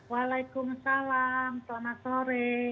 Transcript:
waalaikumsalam selamat sore